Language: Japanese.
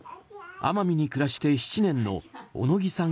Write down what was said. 奄美に暮らして７年の小野木さん